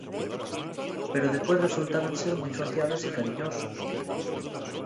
Pero depués resultaben ser mui sociables y cariñosos.